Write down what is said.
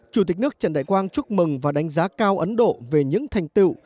chủ tịch nước trần đại quang chúc mừng và đánh giá cao ấn độ về những thành tựu